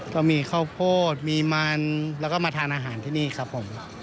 ก็มีข้าวโพดมีมันแล้วก็มาทานอาหารที่นี่ครับผม